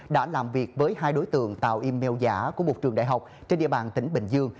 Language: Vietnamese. đã làm việc với hai đối tượng tạo email giả của một trường đại học trên địa bàn tỉnh bình dương